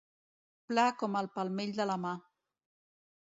Pla com el palmell de la mà.